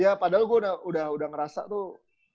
ya padahal gue udah ngerasa tuh